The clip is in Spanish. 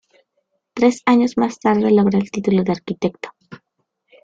Tres años más tarde logra el título de arquitecto.